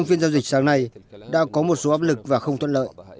phiên giao dịch sáng nay đã có một số áp lực và không thuận lợi